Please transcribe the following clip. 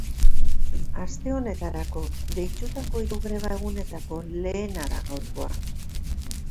Aste honetarako deitutako hiru greba egunetako lehena da gaurkoa.